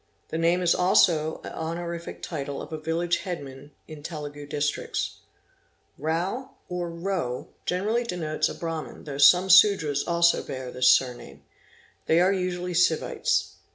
The name is also a honorific title of a village headman in Telugu Districts. Mao or Row generally denotes a Brahmin though some Sudras also bear this surname. They are usually Sivites.